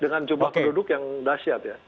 dengan jumlah penduduk yang dahsyat ya